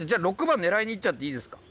６番狙いに行っちゃっていいですか？